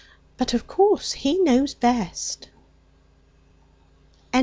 But, of course, He knows best.'